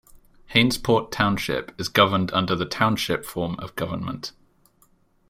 Hainesport Township is governed under the Township form of government.